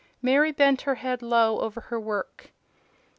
Mary bent her head low over her work.